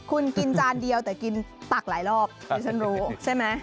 คุณกินจานเดียวแต่กินตักหลายรอบดิฉันรู้ใช่ไหม